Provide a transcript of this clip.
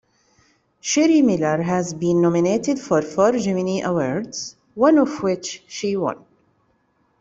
Sherry Miller has been nominated for four Gemini awards, one of which she won.